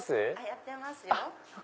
やってますよ。